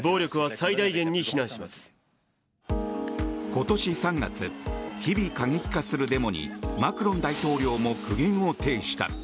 今年３月日々過激化するデモにマクロン大統領も苦言を呈した。